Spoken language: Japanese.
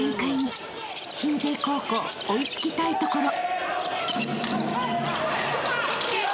［鎮西高校追いつきたいところ］